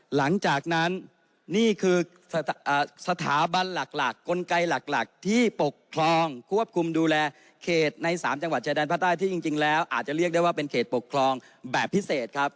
หลังจากนั้นนี่คือสถาบันหลักกลไกหลักที่ปกครองควบคุมดูแลเขตใน๓จังหวัดชายแดนภาคใต้ที่จริงแล้วอาจจะเรียกได้ว่าเป็นเขตปกครองแบบพิเศษครับ